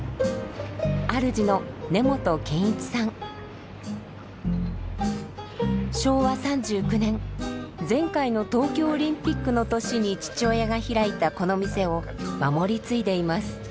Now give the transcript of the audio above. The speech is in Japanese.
主の昭和３９年前回の東京オリンピックの年に父親が開いたこの店を守り継いでいます。